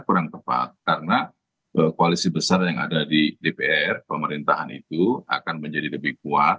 kurang tepat karena koalisi besar yang ada di dpr pemerintahan itu akan menjadi lebih kuat